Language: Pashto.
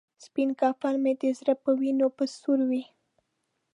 سپین کفن مې د زړه په وینو به سور وي.